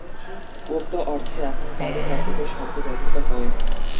উক্ত অর্থে এখন পালি-প্রাকৃত শব্দ ব্যবহূত হয়।